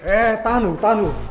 eh tahan dulu tahan dulu